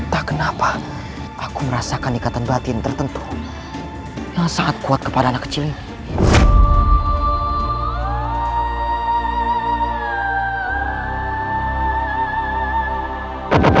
entah kenapa aku merasakan ikatan batin tertentu yang sangat kuat kepada anak kecil ini